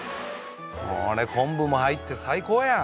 これ昆布も入って最高やん。